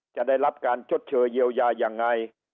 จะได้รับการชดเชยเยียวยายังไง